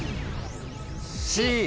Ｃ。